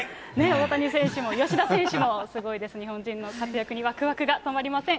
大谷選手も吉田選手もすごいです、日本人選手の活躍にわくわくが止まりません。